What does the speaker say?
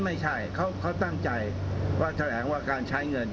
ไม่ใช่เขาตั้งใจว่าแถลงว่าการใช้เงิน